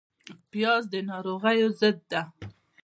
پیاز د ناروغیو ضد ده